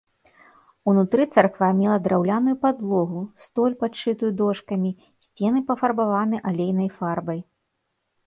Унутры царква мела драўляную падлогу, столь падшытую дошкамі, сцены пафарбаваны алейнай фарбай.